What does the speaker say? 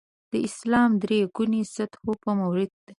د اسلام د درې ګونو سطحو په مورد کې.